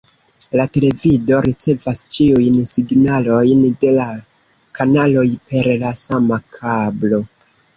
La televido ricevas ĉiujn signalojn de la kanaloj per la sama kablo.